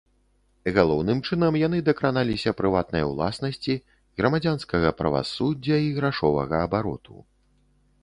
Галоўным чынам яны дакраналіся прыватнай уласнасці, грамадзянскага правасуддзя і грашовага абароту.